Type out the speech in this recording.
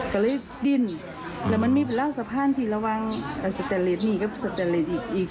ก็เลยดิ้นแล้วมันมีเป็นแล้วสะพานที่ระวังสแตนเลสนี่ก็สแตนเลสนี่อีก